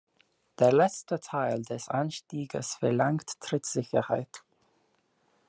Der letzte Teil des Anstieges verlangt Trittsicherheit.